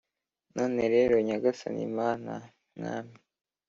none rero nyagasani, mana, mwami,